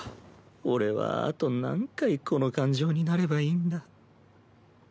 俺はあと何回この感情になればいいんだ。